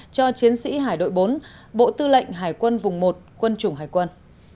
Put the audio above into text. cho chiến sĩ hải đội bốn bộ tư lệnh hải quân vùng một quân chủng hải quân